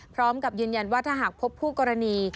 พร้อมกับยืนยันว่าถ้าหากพบคู่กรณี